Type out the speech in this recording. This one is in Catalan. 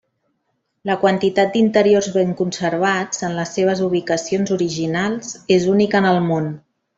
La quantitat d'interiors ben conservats, en les seves ubicacions originals, és única en el món.